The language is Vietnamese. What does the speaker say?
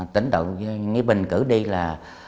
tỉnh độ nghĩa bình cử đi là